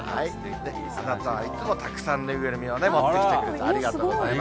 あなたはいっつもたくさん縫いぐるみを持ってきてくれて、ありがとうございます。